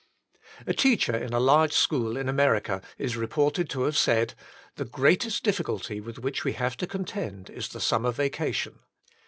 J^^jteacher in a large school in America is re ported to have said, "the greatest difficulty with which we have to contend is the summer vacation.